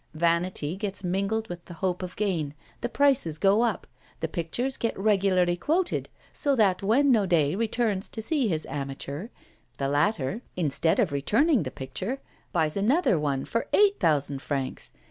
Vanity gets mingled with the hope of gain, the prices go up, the pictures get regularly quoted, so that when Naudet returns to see his amateur, the latter, instead of returning the picture, buys another one for eight thousand francs.